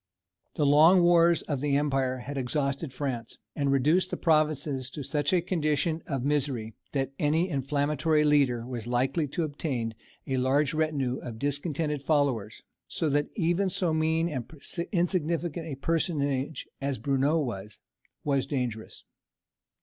The long wars of the empire had exhausted France, and reduced the provinces to such a condition of misery that any inflammatory leader was likely to obtain a large retinue of discontented followers, so that even so mean and insignificant a personage as Bruneau was, was dangerous.